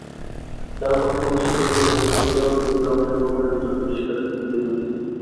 চারুকলা অনুষদের শিক্ষার্থীদের অভিযোগ, বহিরাগত ব্যক্তিরা অনুষদ ভবনের ভেতর ঢুকে শিক্ষার্থীদের হুমকি-ধমকি দেয়।